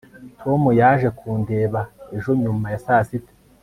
tom yaje kundeba ejo nyuma ya saa sita